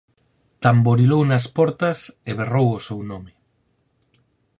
Tamborilou nas portas e berrou o seu nome.